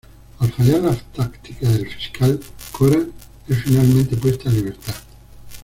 Al fallar la táctica del fiscal Cora es finalmente puesta en libertad.